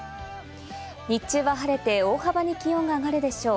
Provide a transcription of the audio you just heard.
日中は晴れて大幅に気温が上がるでしょう。